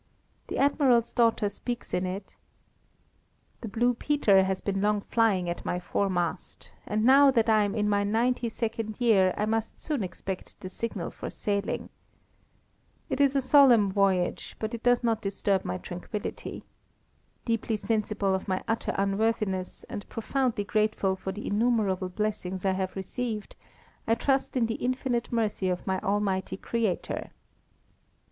The Admiral's daughter speaks in it: "The Blue Peter has been long flying at my foremast, and now that I am in my ninety second year I must soon expect the signal for sailing. It is a solemn voyage, but it does not disturb my tranquillity. Deeply sensible of my utter unworthiness, and profoundly grateful for the innumerable blessings I have received, I trust in the infinite mercy of my Almighty Creator."